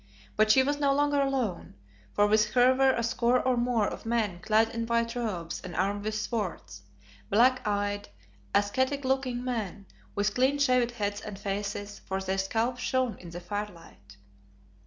But she was no longer alone, for with her were a score or more of men clad in white robes and armed with swords; black eyed, ascetic looking men, with clean shaved heads and faces, for their scalps shone in the firelight.